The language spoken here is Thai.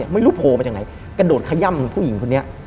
ไม่รู้โผล่มาจากไหนกระโดดขยั้มแบบผู้หญิงคนนี้